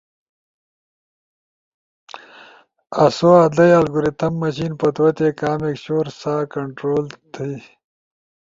آسو ادئی الگوریتھم مشین پتوتے کامک شور سا کنٹرول تھئی۔